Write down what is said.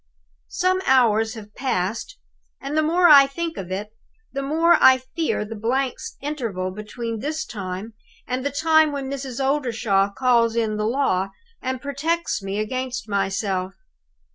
"Some hours have passed, and the more I think of it, the more I fear the blank interval between this time and the time when Mrs. Oldershaw calls in the law, and protects me against myself.